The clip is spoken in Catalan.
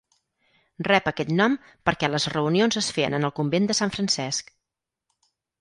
Rep aquest nom perquè les reunions es feien en el Convent de Sant Francesc.